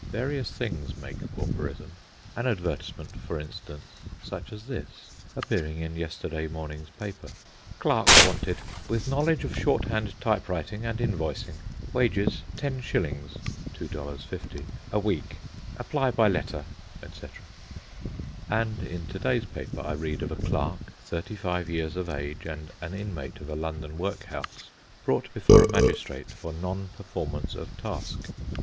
Various things make pauperism. An advertisement, for instance, such as this, appearing in yesterday morning's paper:— "Clerk wanted, with knowledge of shorthand, typewriting, and invoicing: wages ten shillings ($2.50) a week. Apply by letter," &c. And in to day's paper I read of a clerk, thirty five years of age and an inmate of a London workhouse, brought before a magistrate for non performance of task.